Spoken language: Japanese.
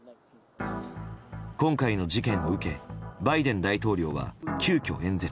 今回の事件を受けバイデン大統領は急きょ演説。